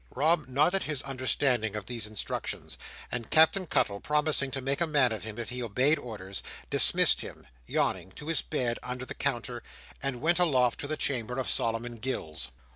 Rob nodded his understanding of these instructions; and Captain Cuttle promising to make a man of him, if he obeyed orders, dismissed him, yawning, to his bed under the counter, and went aloft to the chamber of Solomon Gills.